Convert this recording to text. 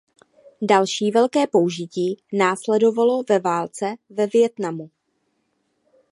Další velké použití následovalo ve válce ve Vietnamu.